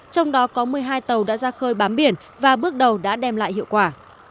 trong đó có một mươi hai tàu đã ra khơi bám biển và bước đầu đã đem lại hiệu quả